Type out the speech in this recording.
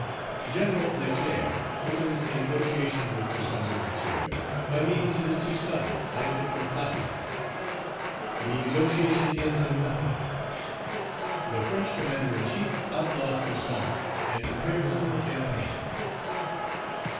General Leclerc opens a negotiation with Toussaint L'Ouverture by means of his two sons, Isaac and Placide the negotiation ends in nothing the French Commander in chief outlaws Toussaint, and prepares for a campaign.